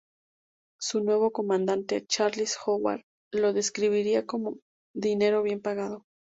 Su nuevo comandante, Charles Howard, lo describiría como "dinero bien pagado".